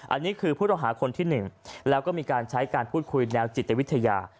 อันนี้คือผู้ต้องหาคนที่๑แล้วก็มีการใช้การพูดคุยแนวจิตวิทยา